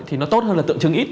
thì nó tốt hơn là tượng trưng ít